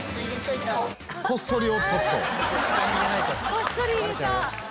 こっそり入れた。